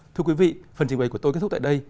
thưa quý vị phần trình bày của tôi kết thúc tại đây